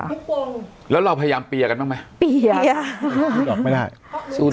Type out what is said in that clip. ทุกวงแล้วเราพยายามเปียกันบ้างไหมเปียไม่ได้เขาก็ชนะดอก